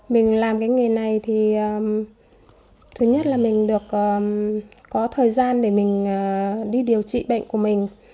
mình làm cái nghề này thì thứ nhất là mình được có thời gian để mình đi điều trị bệnh của mình